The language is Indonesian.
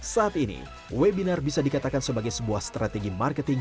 saat ini webinar bisa dikatakan sebagai sebuah strategi marketing